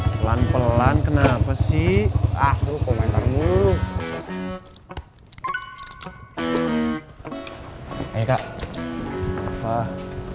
pelan pelan kenapa sih aku komentar nguruh